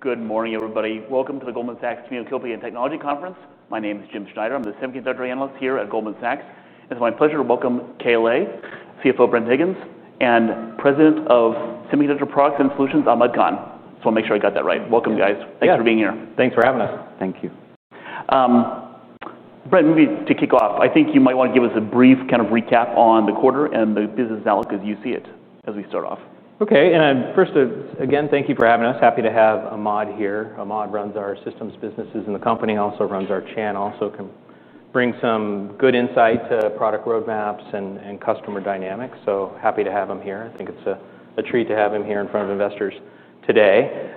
Good morning everybody. Welcome to the Goldman Sachs Community Utility and Technology Conference. My name is Jim Schneider. I'm the Semiconductor Analyst here at Goldman Sachs. It's my pleasure to welcome KLA, CFO Bren Higgins, and President of Semiconductor Products and Solutions, Ahmad Khan. I just want to make sure I got that right. Welcome, guys. Thanks for being here. Thanks for having us. Thank you. Bren, maybe to kick off, I think you might want to give us a brief kind of recap on the quarter and the business outlook as you see it as we start off. Okay, and first, again, thank you for having us. Happy to have Ahmad here. Ahmad runs our systems businesses in the company and also runs our channel, so can bring some good insight to product roadmaps and customer dynamics. Happy to have him here. I think it's a treat to have him here in front of investors today.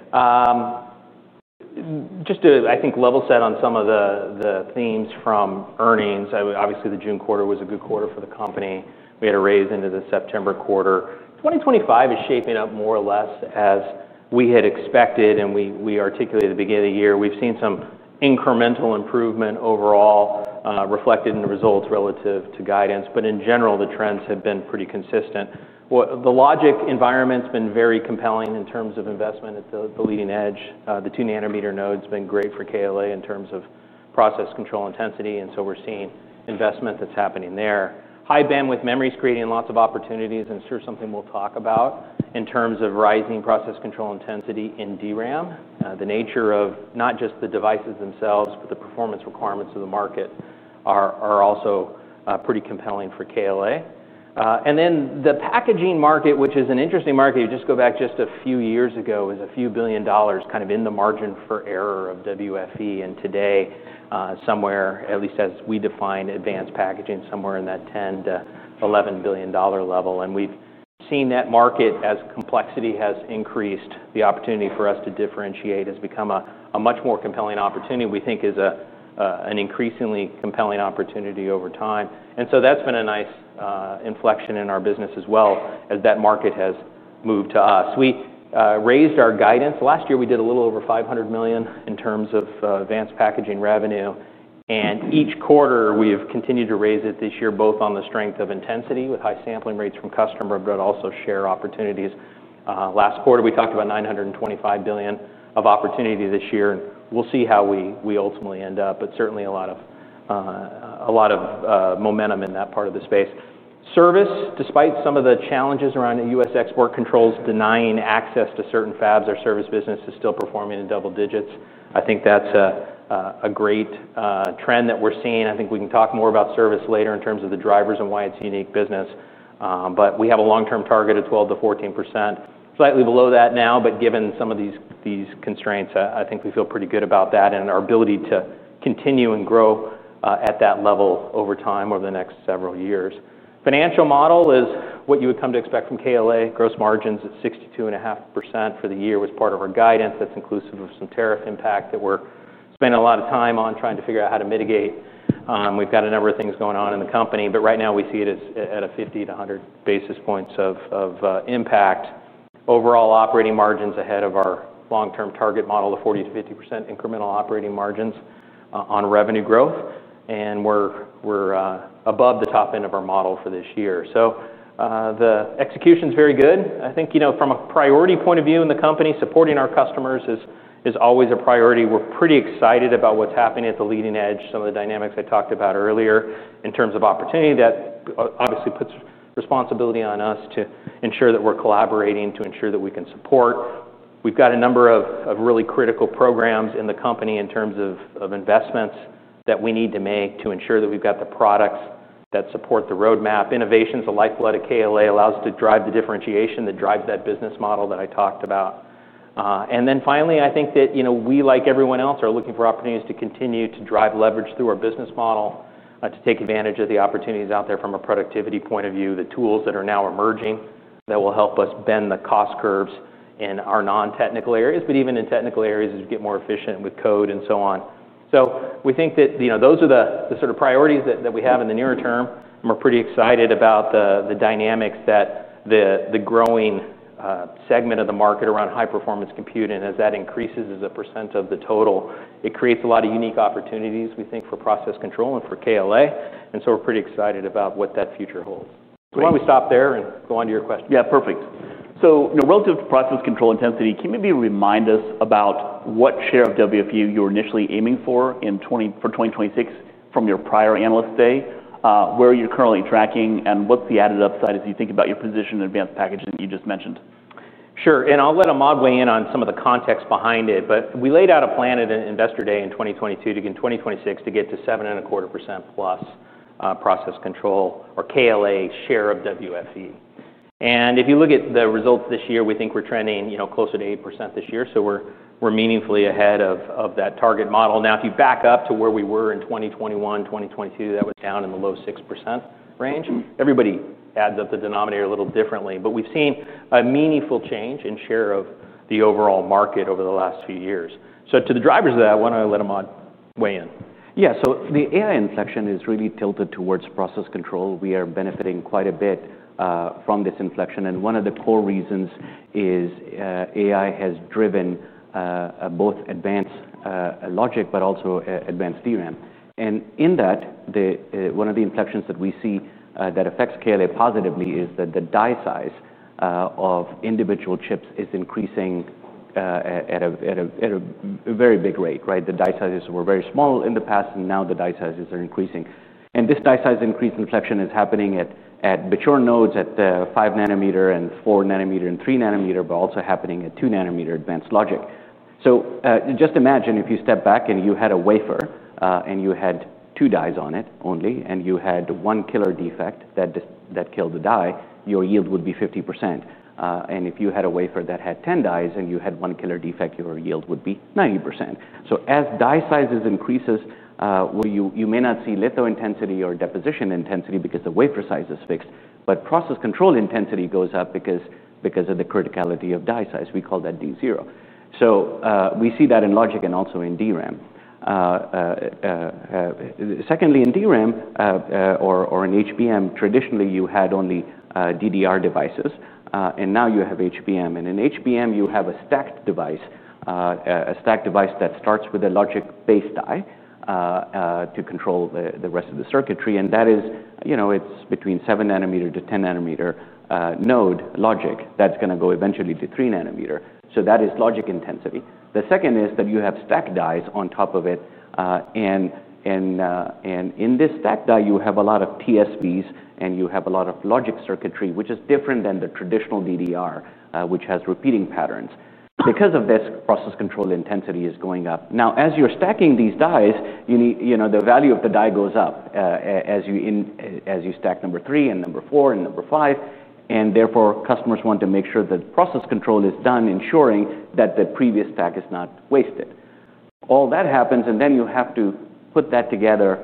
Just to, I think, level set on some of the themes from earnings, obviously the June quarter was a good quarter for the company. We had a raise into the September quarter. 2025 is shaping up more or less as we had expected and we articulated at the beginning of the year. We've seen some incremental improvement overall reflected in the results relative to guidance, but in general, the trends have been pretty consistent. The logic environment's been very compelling in terms of investment at the leading edge. The 2 newtonmeter nodes have been great for KLA in terms of process control intensity, and we're seeing investment that's happening there. High bandwidth memory is creating lots of opportunities, and it's sure something we'll talk about in terms of rising process control intensity in DRAM. The nature of not just the devices themselves, but the performance requirements of the market are also pretty compelling for KLA. The packaging market, which is an interesting market, you just go back just a few years ago, was a few billion dollars kind of in the margin for error of WFE, and today somewhere, at least as we define advanced packaging, somewhere in that $10 to $11 billion level. We've seen that market, as complexity has increased, the opportunity for us to differentiate has become a much more compelling opportunity. We think is an increasingly compelling opportunity over time. That's been a nice inflection in our business as well as that market has moved to us. We raised our guidance. Last year, we did a little over $500 million in terms of advanced packaging revenue, and each quarter we have continued to raise it this year, both on the strength of intensity with high sampling rates from customer, but also share opportunities. Last quarter, we talked about $925 million of opportunity this year. We'll see how we ultimately end up, but certainly a lot of momentum in that part of the space. Service, despite some of the challenges around the U.S. export controls denying access to certain fabs, our service business is still performing in double digits. I think that's a great trend that we're seeing. I think we can talk more about service later in terms of the drivers and why it's a unique business. We have a long-term target of 12% to 14%. Slightly below that now, but given some of these constraints, I think we feel pretty good about that and our ability to continue and grow at that level over time over the next several years. Financial model is what you would come to expect from KLA. Gross margins at 62.5% for the year was part of our guidance. That's inclusive of some tariff impact that we're spending a lot of time on trying to figure out how to mitigate. We've got a number of things going on in the company, but right now we see it as at a 50 to 100 basis points of impact. Overall operating margins ahead of our long-term target model of 40% to 50% incremental operating margins on revenue growth, and we're above the top end of our model for this year. The execution is very good. I think, from a priority point of view in the company, supporting our customers is always a priority. We're pretty excited about what's happening at the leading edge, some of the dynamics I talked about earlier in terms of opportunity. That obviously puts responsibility on us to ensure that we're collaborating, to ensure that we can support. We've got a number of really critical programs in the company in terms of investments that we need to make to ensure that we've got the products that support the roadmap. Innovation is the lifeblood of KLA, allows us to drive the differentiation that drives that business model that I talked about. Finally, I think that, you know, we like everyone else are looking for opportunities to continue to drive leverage through our business model, to take advantage of the opportunities out there from a productivity point of view, the tools that are now emerging that will help us bend the cost curves in our non-technical areas, but even in technical areas as we get more efficient with code and so on. We think that those are the sort of priorities that we have in the nearer term. We're pretty excited about the dynamics that the growing segment of the market around high-performance computing, as that increases as a percent of the total, it creates a lot of unique opportunities, we think, for process control and for KLA. We're pretty excited about what that future holds. Why don't we stop there and go on to your question? Yeah, perfect. You know, relative to process control intensity, can you maybe remind us about what share of WFE you were initially aiming for in 2026 from your prior analyst day, where you're currently tracking, and what's the added upside as you think about your position in advanced packaging that you just mentioned? Sure, and I'll let Ahmad weigh in on some of the context behind it, but we laid out a plan at an investor day in 2022 to get to 7.25% plus process control or KLA share of WFE. If you look at the results this year, we think we're trending, you know, closer to 8% this year, so we're meaningfully ahead of that target model. Now, if you back up to where we were in 2021, 2022, that was down in the low 6% range. Everybody adds up the denominator a little differently, but we've seen a meaningful change in share of the overall market over the last few years. To the drivers of that, I want to let Ahmad weigh in. Yeah, so the AI inflection is really tilted towards process control. We are benefiting quite a bit from this inflection, and one of the core reasons is AI has driven both advanced logic, but also advanced DRAM. In that, one of the inflections that we see that affects KLA positively is that the die size of individual chips is increasing at a very big rate, right? The die sizes were very small in the past, and now the die sizes are increasing. This die size increase inflection is happening at mature nodes at the 5 nm and 4 nm and 3 nm, but also happening at 2 nm advanced logic. Just imagine if you step back and you had a wafer and you had two dies on it only, and you had one killer defect that killed the die, your yield would be 50%. If you had a wafer that had 10 dies and you had one killer defect, your yield would be 90%. As die sizes increase, you may not see litho intensity or deposition intensity because the wafer size is fixed, but process control intensity goes up because of the criticality of die size. We call that D0. We see that in logic and also in DRAM. Secondly, in DRAM or in HBM, traditionally you had only DDR devices, and now you have HBM. In HBM, you have a stacked device, a stacked device that starts with a logic-based die to control the rest of the circuitry. That is, you know, it's between 7 nm to 10 nm node logic that's going to go eventually to 3 nm. That is logic intensity. The second is that you have stack dies on top of it, and in this stack die, you have a lot of TSVs and you have a lot of logic circuitry, which is different than the traditional DDR, which has repeating patterns. Because of this, process control intensity is going up. Now, as you're stacking these dies, the value of the die goes up as you stack number three and number four and number five, and therefore customers want to make sure that process control is done, ensuring that the previous stack is not wasted. All that happens, and then you have to put that together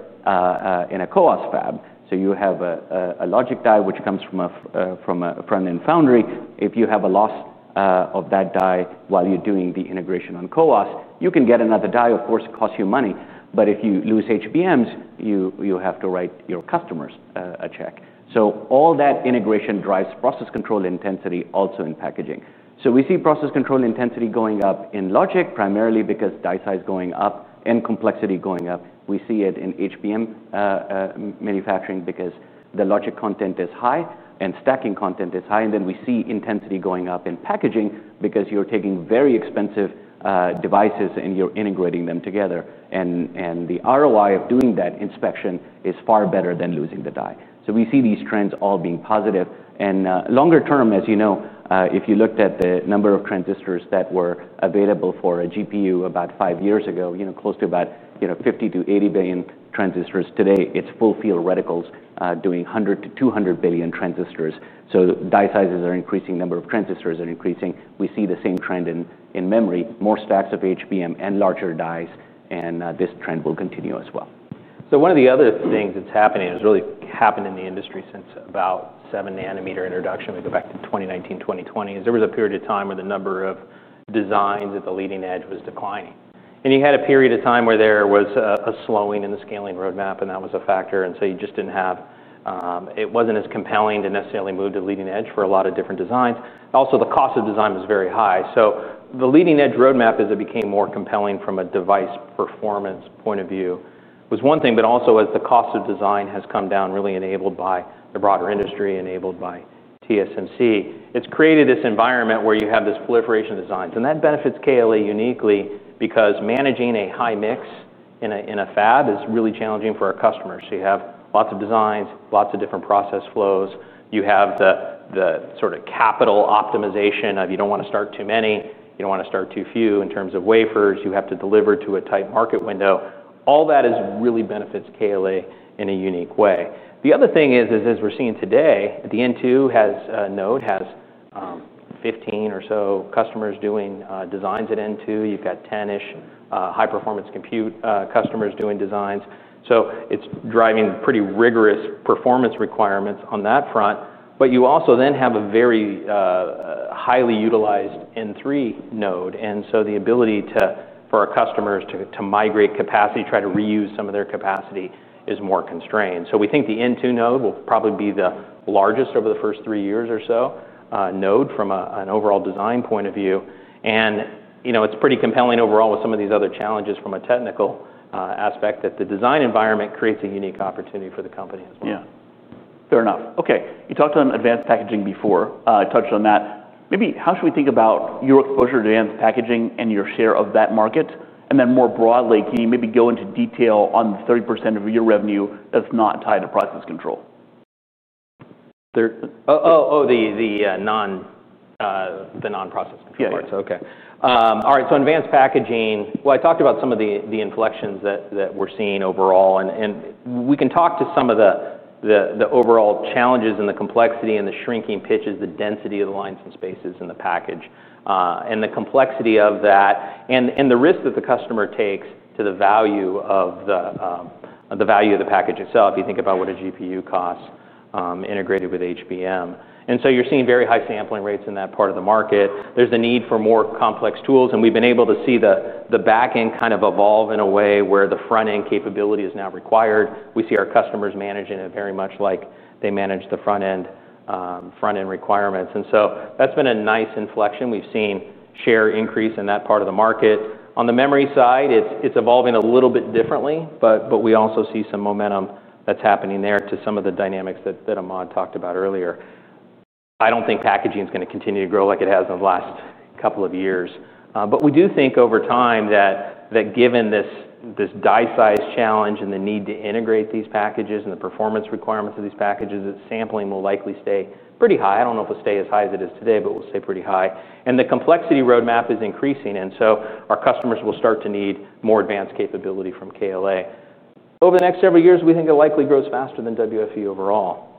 in a CoOS fab. You have a logic die, which comes from a front-end foundry. If you have a loss of that die while you're doing the integration on CoOS, you can get another die. Of course, it costs you money, but if you lose HBMs, you have to write your customers a check. All that integration drives process control intensity also in packaging. We see process control intensity going up in logic, primarily because die size is going up and complexity is going up. We see it in HBM manufacturing because the logic content is high and stacking content is high, and we see intensity going up in packaging because you're taking very expensive devices and you're integrating them together. The ROI of doing that inspection is far better than losing the die. We see these trends all being positive. Longer term, as you know, if you looked at the number of transistors that were available for a GPU about five years ago, close to about 50 to 80 billion transistors, today it's full-field reticles doing 100 to 200 billion transistors. Die sizes are increasing, the number of transistors are increasing. We see the same trend in memory, more stacks of HBM and larger dies, and this trend will continue as well. One of the other things that's happening, has really happened in the industry since about 7 nm introduction. We go back to 2019, 2020. There was a period of time where the number of designs at the leading edge was declining. You had a period of time where there was a slowing in the scaling roadmap, and that was a factor. You just didn't have, it wasn't as compelling to necessarily move to leading edge for a lot of different designs. Also, the cost of design was very high. The leading edge roadmap, as it became more compelling from a device performance point of view, was one thing, but also as the cost of design has come down, really enabled by the broader industry, enabled by TSMC, it's created this environment where you have this proliferation of designs. That benefits KLA uniquely because managing a high mix in a fab is really challenging for our customers. You have lots of designs, lots of different process flows. You have the sort of capital optimization of you don't want to start too many. You don't want to start too few in terms of wafers. You have to deliver to a tight market window. All that really benefits KLA in a unique way. The other thing is, as we're seeing today, the N2 node has 15 or so customers doing designs at N2. You've got 10-ish high-performance compute customers doing designs. It's driving pretty rigorous performance requirements on that front. You also then have a very highly utilized N3 node. The ability for our customers to migrate capacity, try to reuse some of their capacity is more constrained. We think the N2 node will probably be the largest over the first three years or so, node from an overall design point of view. It's pretty compelling overall with some of these other challenges from a technical aspect that the design environment creates a unique opportunity for the company as well. Yeah, fair enough. Okay, you talked on advanced packaging before. I touched on that. Maybe how should we think about your exposure to advanced packaging and your share of that market? More broadly, can you maybe go into detail on the 30% of your revenue that's not tied to process control? Oh, the non-process control parts. Okay. All right, so advanced packaging, I talked about some of the inflections that we're seeing overall. We can talk to some of the overall challenges and the complexity and the shrinking pitches, the density of the lines and spaces in the package, and the complexity of that, and the risk that the customer takes to the value of the package itself. You think about what a GPU costs integrated with HBM. You're seeing very high sampling rates in that part of the market. There's the need for more complex tools, and we've been able to see the backend kind of evolve in a way where the frontend capability is now required. We see our customers managing it very much like they manage the frontend requirements. That's been a nice inflection. We've seen share increase in that part of the market. On the memory side, it's evolving a little bit differently, but we also see some momentum that's happening there to some of the dynamics that Ahmad Khan talked about earlier. I don't think packaging is going to continue to grow like it has in the last couple of years. We do think over time that given this die size challenge and the need to integrate these packages and the performance requirements of these packages, the sampling will likely stay pretty high. I don't know if it'll stay as high as it is today, but it'll stay pretty high. The complexity roadmap is increasing, and our customers will start to need more advanced capability from KLA. Over the next several years, we think it likely grows faster than wafer fab equipment (WFE) overall.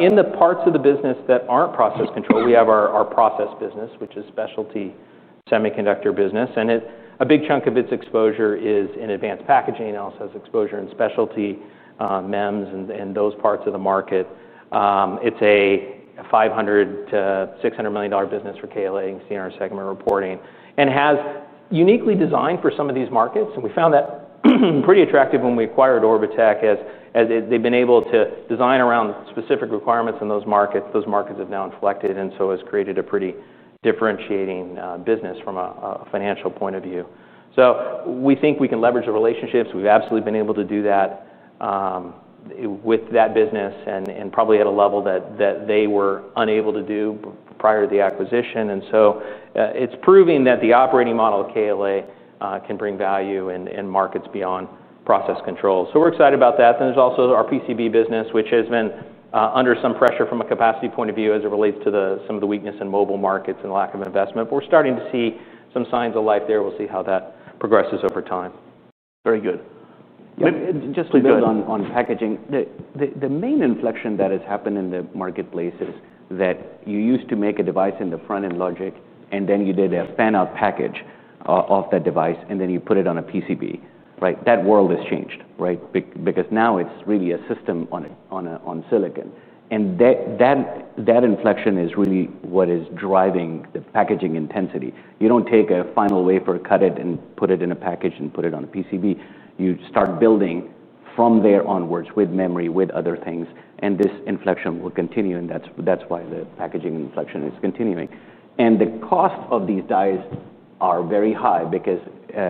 In the parts of the business that aren't process control, we have our process business, which is specialty semiconductor business. A big chunk of its exposure is in advanced packaging. It also has exposure in specialty MEMS and those parts of the market. It's a $500 to $600 million business for KLA in CNR segment reporting and has uniquely designed for some of these markets. We found that pretty attractive when we acquired Orbotech, as they've been able to design around specific requirements in those markets. Those markets have now inflected and so has created a pretty differentiating business from a financial point of view. We think we can leverage the relationships. We've absolutely been able to do that with that business and probably at a level that they were unable to do prior to the acquisition. It's proving that the operating model of KLA can bring value in markets beyond process control. We're excited about that. There's also our PCB business, which has been under some pressure from a capacity point of view as it relates to some of the weakness in mobile markets and the lack of investment. We're starting to see some signs of light there. We'll see how that progresses over time. Very good. Yeah. Just to build on packaging, the main inflection that has happened in the marketplace is that you used to make a device in the front-end logic and then you did a fan-out package of that device and then you put it on a PCB. That world has changed, right? Because now it's really a system-on-silicon. That inflection is really what is driving the packaging intensity. You don't take a final wafer, cut it and put it in a package and put it on a PCB. You start building from there onwards with memory, with other things. This inflection will continue. That's why the packaging inflection is continuing. The cost of these dies are very high because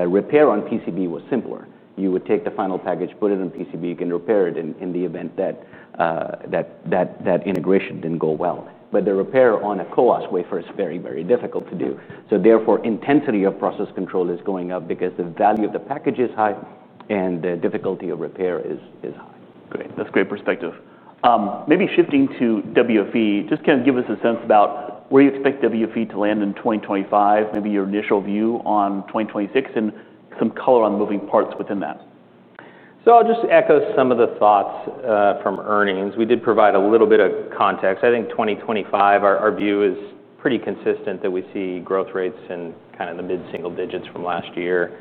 repair on PCB was simpler. You would take the final package, put it on PCB, you can repair it in the event that that integration didn't go well. The repair on a CoOS wafer is very, very difficult to do. Therefore, intensity of process control is going up because the value of the package is high and the difficulty of repair is high. Great. That's a great perspective. Maybe shifting to WFE, just give us a sense about where you expect WFE to land in 2025, maybe your initial view on 2026, and some color on moving parts within that. I'll just echo some of the thoughts from earnings. We did provide a little bit of context. I think 2025, our view is pretty consistent that we see growth rates in kind of the mid-single digits from last year.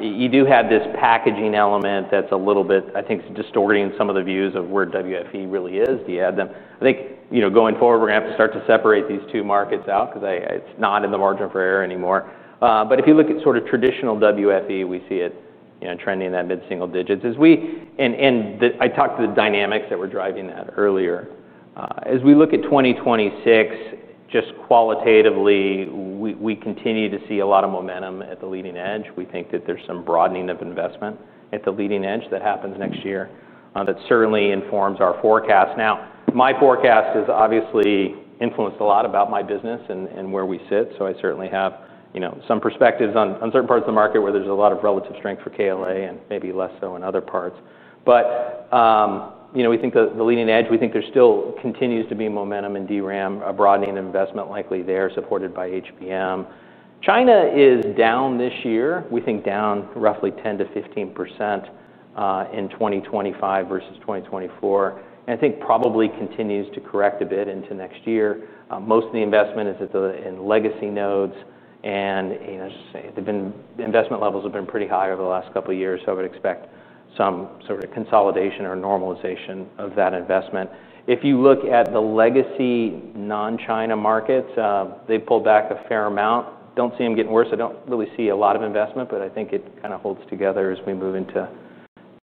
You do have this packaging element that's a little bit, I think, distorting some of the views of where WFE really is, the add them. I think, you know, going forward, we're going to have to start to separate these two markets out because it's not in the margin for error anymore. If you look at sort of traditional WFE, we see it trending in that mid-single digits. I talked to the dynamics that were driving that earlier. As we look at 2026, just qualitatively, we continue to see a lot of momentum at the leading edge. We think that there's some broadening of investment at the leading edge that happens next year that certainly informs our forecast. Now, my forecast is obviously influenced a lot about my business and where we sit. I certainly have, you know, some perspectives on certain parts of the market where there's a lot of relative strength for KLA and maybe less so in other parts. We think the leading edge, we think there still continues to be momentum in DRAM, a broadening of investment likely there, supported by HBM. China is down this year, we think down roughly 10% to 15% in 2025 versus 2024. I think probably continues to correct a bit into next year. Most of the investment is in legacy nodes and, you know, the investment levels have been pretty high over the last couple of years. I would expect some sort of consolidation or normalization of that investment. If you look at the legacy non-China markets, they've pulled back a fair amount. I don't see them getting worse. I don't really see a lot of investment, but I think it kind of holds together as we move into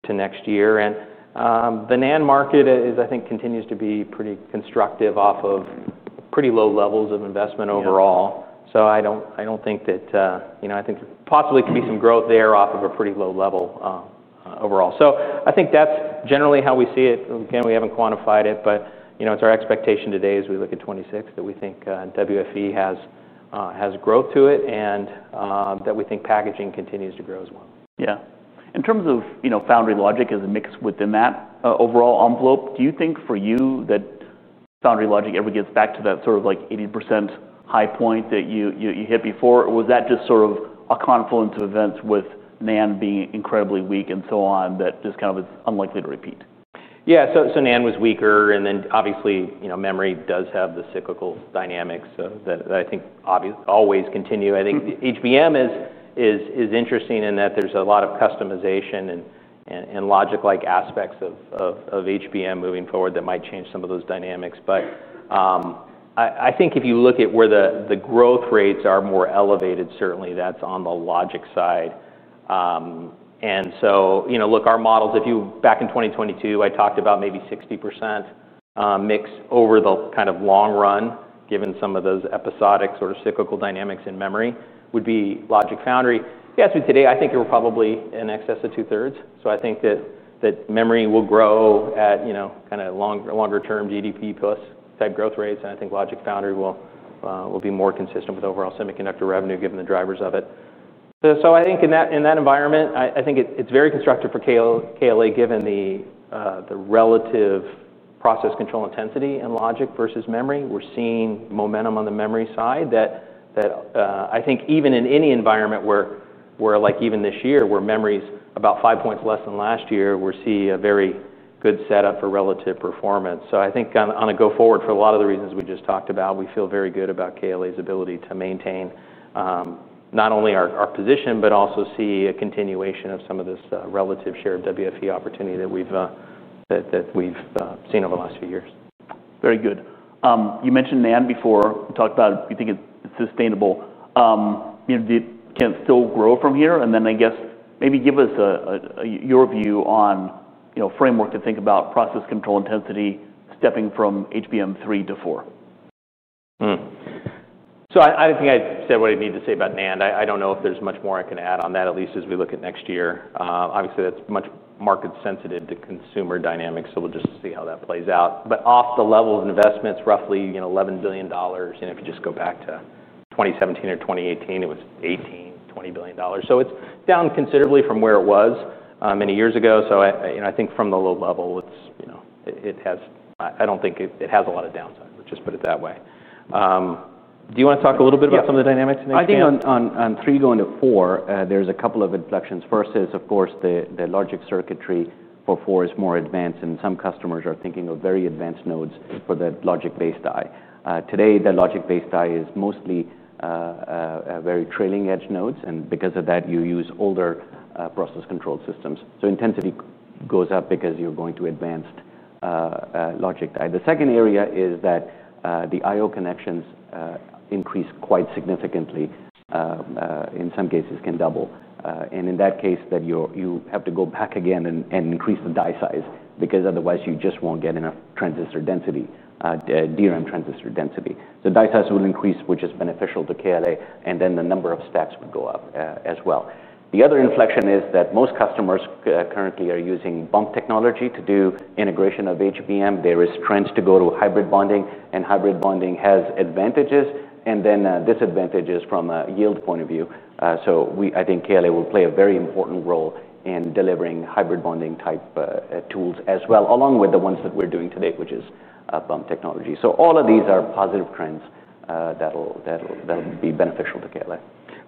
next year. The NAND market is, I think, continues to be pretty constructive off of pretty low levels of investment overall. I don't think that, you know, I think possibly it could be some growth there off of a pretty low level overall. I think that's generally how we see it. Again, we haven't quantified it, but, you know, it's our expectation today as we look at 2026 that we think WFE has growth to it and that we think packaging continues to grow as well. Yeah. In terms of, you know, foundry logic as a mix within that overall envelope, do you think for you that foundry logic ever gets back to that sort of like 80% high point that you hit before? Or was that just sort of a confluence of events with NAND being incredibly weak and so on that just kind of is unlikely to repeat? Yeah, so NAND was weaker and then obviously, you know, memory does have the cyclical dynamics that I think always continue. I think HBM is interesting in that there's a lot of customization and logic-like aspects of HBM moving forward that might change some of those dynamics. I think if you look at where the growth rates are more elevated, certainly that's on the logic side. You know, look, our models, if you back in 2022, I talked about maybe 60% mix over the kind of long run, given some of those episodic sort of cyclical dynamics in memory would be logic foundry. Yes, today I think it will probably be in excess of two-thirds. I think that memory will grow at, you know, kind of longer-term GDP plus type growth rates. I think logic foundry will be more consistent with overall semiconductor revenue given the drivers of it. I think in that environment, I think it's very constructive for KLA given the relative process control intensity and logic versus memory. We're seeing momentum on the memory side that I think even in any environment where we're like even this year where memory is about 5% less than last year, we're seeing a very good setup for relative performance. I think on a go forward for a lot of the reasons we just talked about, we feel very good about KLA's ability to maintain not only our position but also see a continuation of some of this relative share of WFE opportunity that we've seen over the last few years. Very good. You mentioned NAND before. You talked about if you think it's sustainable. Do you think it can still grow from here? I guess maybe give us your view on a framework to think about process control intensity stepping from HBM 3 to 4. I don't think I said what I need to say about NAND. I don't know if there's much more I can add on that, at least as we look at next year. Obviously, that's much market sensitive to consumer dynamics, so we'll just see how that plays out. Off the level of investments, roughly, you know, $11 billion. If you just go back to 2017 or 2018, it was $18, $20 billion. It's down considerably from where it was many years ago. I think from the low level, it has, I don't think it has a lot of downside. Let's just put it that way. Do you want to talk a little bit about some of the dynamics? I think on three going to four, there's a couple of inflections. First is, of course, the logic circuitry for four is more advanced, and some customers are thinking of very advanced nodes for that logic-based die. Today, the logic-based die is mostly very trailing edge nodes, and because of that, you use older process control systems. Intensity goes up because you're going to advanced logic die. The second area is that the I/O connections increase quite significantly. In some cases, can double. In that case, you have to go back again and increase the die size because otherwise you just won't get enough transistor density, DRAM transistor density. Die size will increase, which is beneficial to KLA, and then the number of stacks would go up as well. The other inflection is that most customers currently are using bump technology to do integration of HBM. There is trend to go to hybrid bonding, and hybrid bonding has advantages and then disadvantages from a yield point of view. I think KLA will play a very important role in delivering hybrid bonding type tools as well, along with the ones that we're doing today, which is bump technology. All of these are positive trends that'll be beneficial to KLA.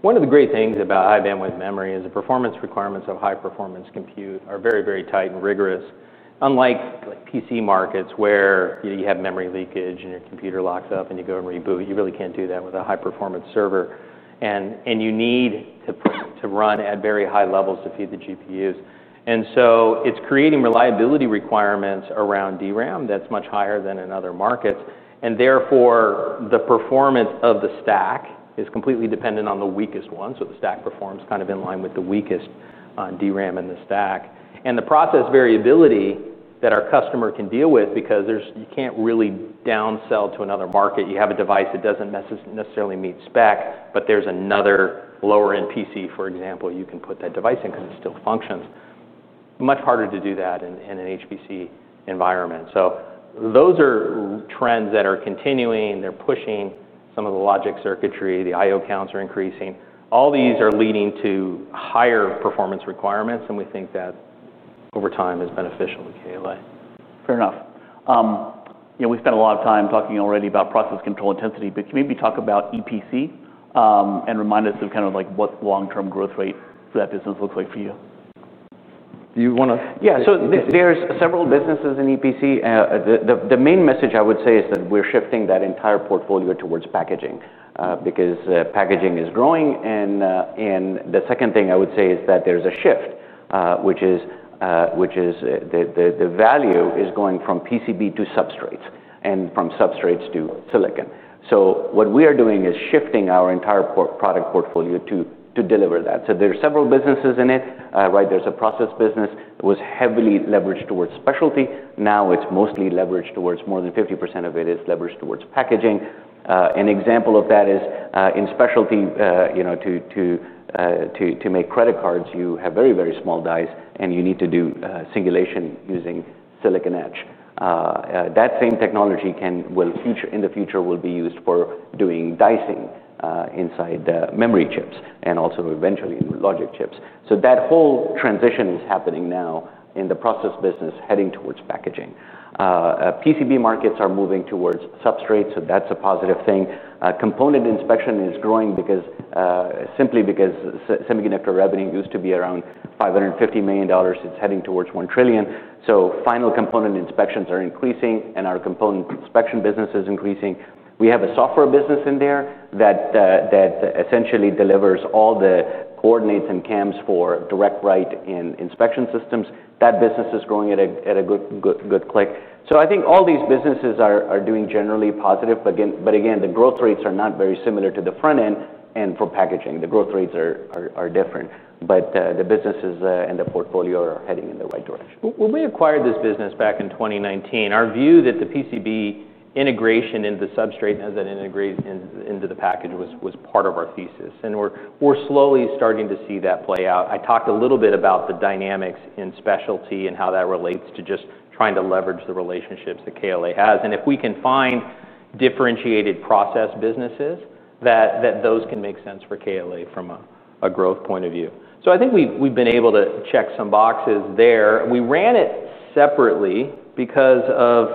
One of the great things about HBM with memory is the performance requirements of high-performance compute are very, very tight and rigorous, unlike PC markets where you have memory leakage and your computer locks up and you go and reboot. You really can't do that with a high-performance server. You need to run at very high levels to feed the GPUs. It's creating reliability requirements around DRAM that's much higher than in other markets. Therefore, the performance of the stack is completely dependent on the weakest one. The stack performs kind of in line with the weakest DRAM in the stack. The process variability that our customer can deal with, because you can't really downsell to another market. You have a device that doesn't necessarily meet spec, but there's another lower-end PC, for example, you can put that device in because it still functions. It's much harder to do that in an HPC environment. Those are trends that are continuing. They're pushing some of the logic circuitry. The I/O counts are increasing. All these are leading to higher performance requirements, and we think that over time is beneficial to KLA. Fair enough. You know, we spent a lot of time talking already about process control intensity, but can you maybe talk about EPC and remind us of kind of like what long-term growth rate for that business looks like for you? Yeah, so there's several businesses in EPC. The main message I would say is that we're shifting that entire portfolio towards packaging because packaging is growing. The second thing I would say is that there's a shift, which is the value is going from PCB to substrates and from substrates to silicon. What we are doing is shifting our entire product portfolio to deliver that. There are several businesses in it. There's a process business that was heavily leveraged towards specialty. Now it's mostly leveraged towards more than 50% of it is leveraged towards packaging. An example of that is in specialty, you know, to make credit cards, you have very, very small dies and you need to do simulation using silicon edge. That same technology can, will feature in the future, will be used for doing dicing inside the memory chips and also eventually in logic chips. That whole transition is happening now in the process business heading towards packaging. PCB markets are moving towards substrates, so that's a positive thing. Component inspection is growing simply because semiconductor revenue used to be around $550 million. It's heading towards $1 trillion. Final component inspections are increasing and our component inspection business is increasing. We have a software business in there that essentially delivers all the coordinates and CAMs for direct write in inspection systems. That business is growing at a good click. I think all these businesses are doing generally positive, but again, the growth rates are not very similar to the front end and for packaging. The growth rates are different, but the businesses and the portfolio are heading in the right direction. When we acquired this business back in 2019, our view that the PCB integration into the substrate and as it integrates into the package was part of our thesis, and we're slowly starting to see that play out. I talked a little bit about the dynamics in specialty and how that relates to just trying to leverage the relationships that KLA has. If we can find differentiated process businesses, those can make sense for KLA from a growth point of view. I think we've been able to check some boxes there. We ran it separately because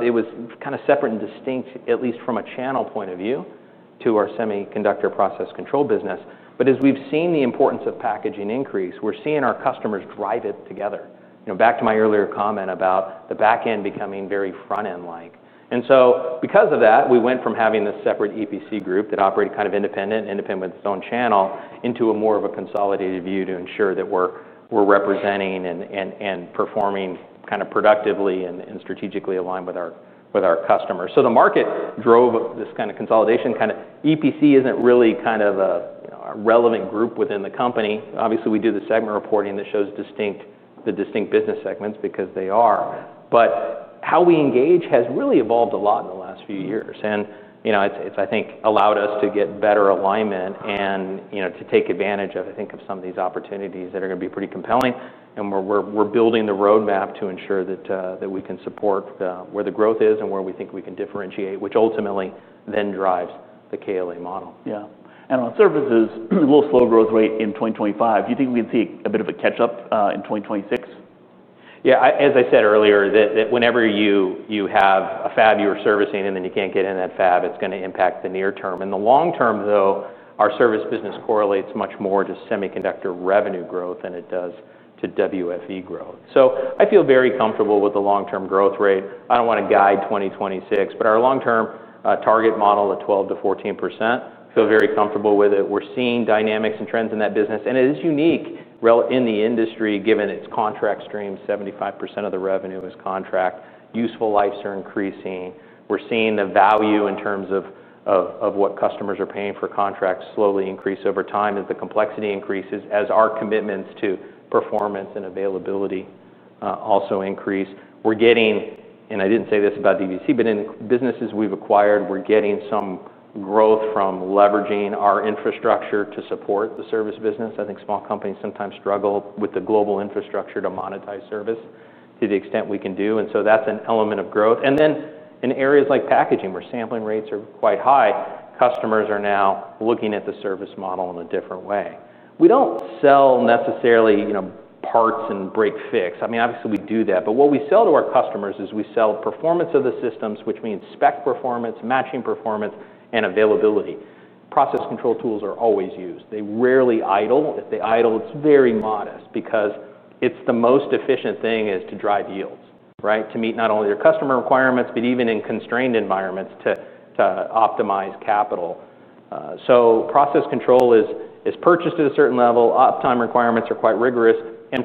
it was kind of separate and distinct, at least from a channel point of view, to our semiconductor process control business. As we've seen the importance of packaging increase, we're seeing our customers drive it together. Back to my earlier comment about the backend becoming very frontend-like. Because of that, we went from having this separate EPC group that operated kind of independent and independent with its own channel into a more of a consolidated view to ensure that we're representing and performing productively and strategically aligned with our customers. The market drove this kind of consolidation. EPC isn't really a relevant group within the company. Obviously, we do the segment reporting that shows the distinct business segments because they are. How we engage has really evolved a lot in the last few years. I think it has allowed us to get better alignment and to take advantage of some of these opportunities that are going to be pretty compelling. We're building the roadmap to ensure that we can support where the growth is and where we think we can differentiate, which ultimately then drives the KLA model. Yeah, on services, a little slow growth rate in 2025. Do you think we can see a bit of a catch-up in 2026? Yeah, as I said earlier, whenever you have a fab you're servicing and then you can't get in that fab, it's going to impact the near term. In the long term, though, our service business correlates much more to semiconductor revenue growth than it does to WFE growth. I feel very comfortable with the long-term growth rate. I don't want to guide 2026, but our long-term target model of 12% to 14%, I feel very comfortable with it. We're seeing dynamics and trends in that business. It is unique in the industry given its contract streams. 75% of the revenue is contract. Useful lifes are increasing. We're seeing the value in terms of what customers are paying for contracts slowly increase over time as the complexity increases, as our commitments to performance and availability also increase. We're getting, and I didn't say this about DVC, but in businesses we've acquired, we're getting some growth from leveraging our infrastructure to support the service business. I think small companies sometimes struggle with the global infrastructure to monetize service to the extent we can do. That's an element of growth. In areas like packaging, where sampling rates are quite high, customers are now looking at the service model in a different way. We don't sell necessarily, you know, parts and break fix. I mean, obviously we do that. What we sell to our customers is we sell performance of the systems, which means spec performance, matching performance, and availability. Process control tools are always used. They rarely idle. If they idle, it's very modest because it's the most efficient thing to drive yields, right? To meet not only your customer requirements, but even in constrained environments to optimize capital. Process control is purchased at a certain level. Uptime requirements are quite rigorous.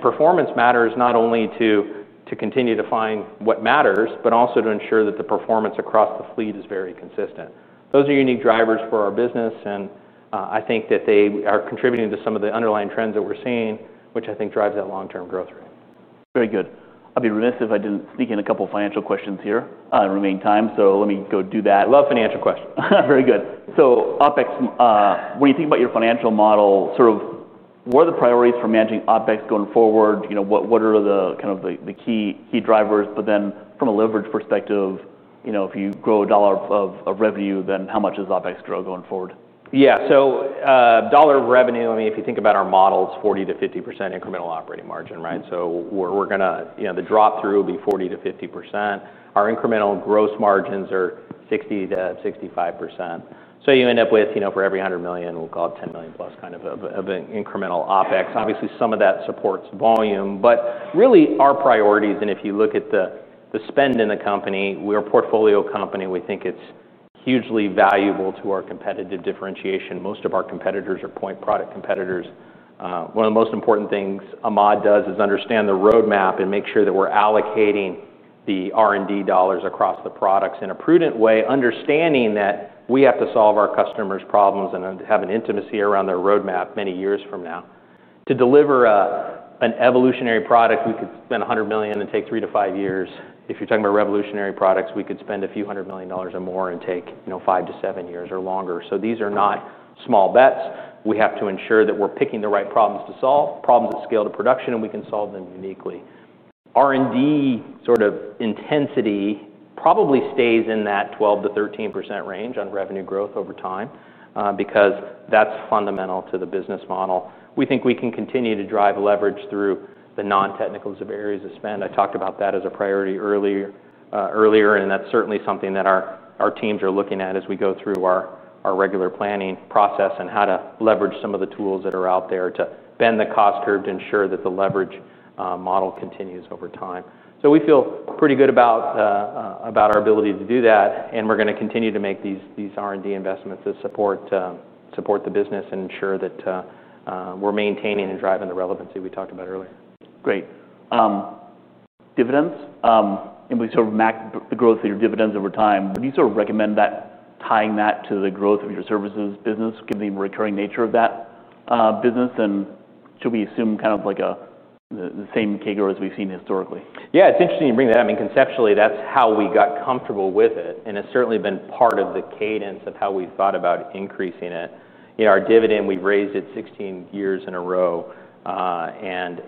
Performance matters not only to continue to find what matters, but also to ensure that the performance across the fleet is very consistent. Those are unique drivers for our business. I think that they are contributing to some of the underlying trends that we're seeing, which I think drives that long-term growth rate. Very good. I'd be remiss if I didn't sneak in a couple of financial questions here in the remaining time. Let me go do that. I love financial questions. Very good. OpEx, when you think about your financial model, what are the priorities for managing OpEx going forward? What are the key drivers? From a leverage perspective, if you grow a dollar of revenue, how much does OpEx grow going forward? Yeah, so dollar of revenue, I mean, if you think about our models, 40 to 50% incremental operating margin, right? We're going to, you know, the drop-through will be 40 to 50%. Our incremental gross margins are 60 to 65%. You end up with, you know, for every $100 million, we'll call it $10 million plus kind of an incremental OpEx. Obviously, some of that supports volume, but really our priorities, and if you look at the spend in the company, we're a portfolio company. We think it's hugely valuable to our competitive differentiation. Most of our competitors are point product competitors. One of the most important things Ahmad does is understand the roadmap and make sure that we're allocating the R&D dollars across the products in a prudent way, understanding that we have to solve our customers' problems and have an intimacy around their roadmap many years from now. To deliver an evolutionary product, we could spend $100 million and take three to five years. If you're talking about revolutionary products, we could spend a few hundred million dollars or more and take, you know, five to seven years or longer. These are not small bets. We have to ensure that we're picking the right problems to solve, problems that scale to production, and we can solve them uniquely. R&D sort of intensity probably stays in that 12 to 13% range on revenue growth over time because that's fundamental to the business model. We think we can continue to drive leverage through the non-technical areas of spend. I talked about that as a priority earlier, and that's certainly something that our teams are looking at as we go through our regular planning process and how to leverage some of the tools that are out there to bend the cost curve to ensure that the leverage model continues over time. We feel pretty good about our ability to do that, and we're going to continue to make these R&D investments to support the business and ensure that we're maintaining and driving the relevancy we talked about earlier. Great. Dividends, and we sort of map the growth of your dividends over time, do you sort of recommend that tying that to the growth of your services business, given the recurring nature of that business? Should we assume kind of like the same CAGR as we've seen historically? Yeah, it's interesting you bring that. I mean, conceptually, that's how we got comfortable with it, and it's certainly been part of the cadence of how we've thought about increasing it. In our dividend, we raised it 16 years in a row, and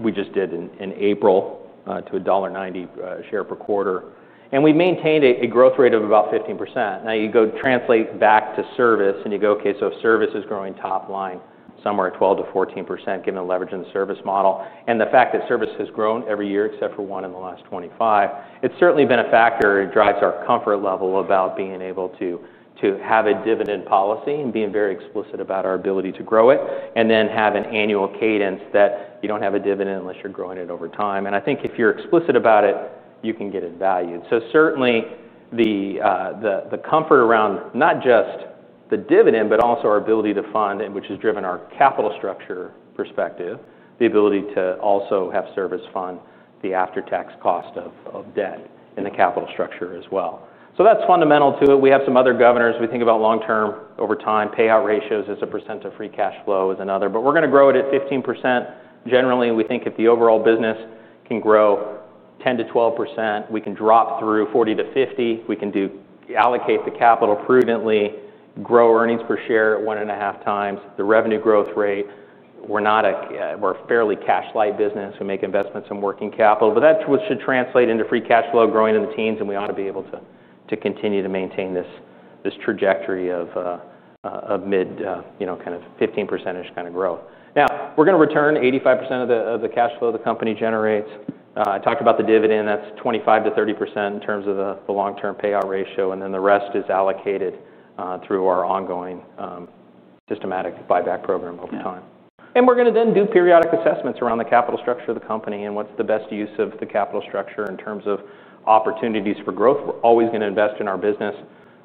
we just did in April to $1.90 per share per quarter. We maintained a growth rate of about 15%. Now you go translate back to service, and you go, okay, service is growing top line somewhere at 12 to 14% given the leverage in the service model. The fact that service has grown every year except for one in the last 25, it's certainly been a factor. It drives our comfort level about being able to have a dividend policy and being very explicit about our ability to grow it, and then have an annual cadence that you don't have a dividend unless you're growing it over time. I think if you're explicit about it, you can get it valued. Certainly the comfort around not just the dividend, but also our ability to fund, which has driven our capital structure perspective, the ability to also have service fund the after-tax cost of debt in the capital structure as well. That's fundamental to it. We have some other governors. We think about long-term over time payout ratios as a percent of free cash flow as another, but we're going to grow it at 15%. Generally, we think if the overall business can grow 10 to 12%, we can drop through 40 to 50. We can allocate the capital prudently, grow earnings per share at one and a half times the revenue growth rate. We're a fairly cash-light business. We make investments in working capital, but that should translate into free cash flow growing in the teens, and we ought to be able to continue to maintain this trajectory of a mid, you know, kind of 15% kind of growth. We're going to return 85% of the cash flow the company generates. I talked about the dividend. That's 25 to 30% in terms of the long-term payout ratio, and then the rest is allocated through our ongoing systematic buyback program over time. We're going to then do periodic assessments around the capital structure of the company and what's the best use of the capital structure in terms of opportunities for growth. We're always going to invest in our business.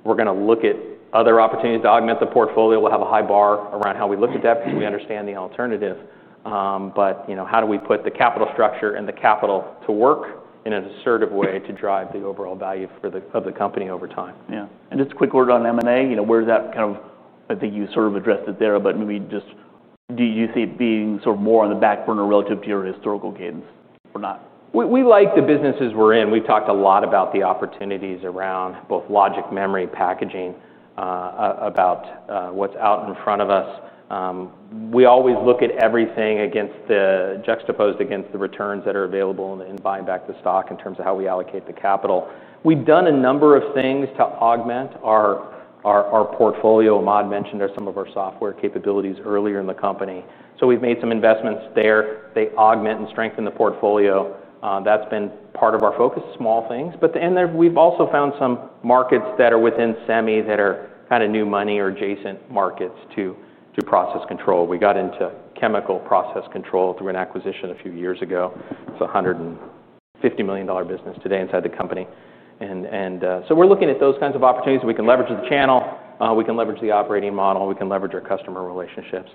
We're going to look at other opportunities to augment the portfolio. We'll have a high bar around how we looked at that because we understand the alternative. You know, how do we put the capital structure and the capital to work in an assertive way to drive the overall value of the company over time? Yeah, just a quick word on M&A. Where's that kind of, I think you sort of addressed it there, but maybe just do you see it being sort of more on the back burner relative to your historical cadence or not? We like the businesses we're in. We've talked a lot about the opportunities around both logic, memory, packaging, about what's out in front of us. We always look at everything juxtaposed against the returns that are available in buying back the stock in terms of how we allocate the capital. We've done a number of things to augment our portfolio. Ahmad mentioned some of our software capabilities earlier in the company. We've made some investments there. They augment and strengthen the portfolio. That's been part of our focus, small things. We've also found some markets that are within SEMI that are kind of new money or adjacent markets to process control. We got into chemical process control through an acquisition a few years ago. It's a $150 million business today inside the company. We're looking at those kinds of opportunities that we can leverage the channel. We can leverage the operating model. We can leverage our customer relationships.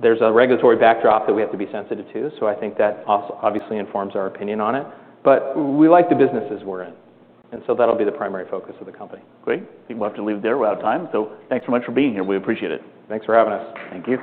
There's a regulatory backdrop that we have to be sensitive to. I think that obviously informs our opinion on it. We like the businesses we're in. That'll be the primary focus of the company. Great. I think we'll have to leave it there with our time. Thanks so much for being here. We appreciate it. Thanks for having us. Thank you.